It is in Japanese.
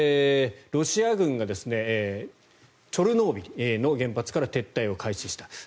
ロシア軍がチョルノービリの原発から撤退を開始した。